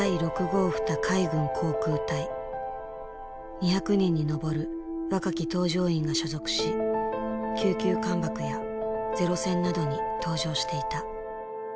２００人に上る若き搭乗員が所属し九九艦爆や零戦などに搭乗していた。